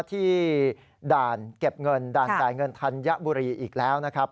ที่ด่านเก็บเงินด่านจ่ายเงินธัญบุรีอีกแล้วนะครับ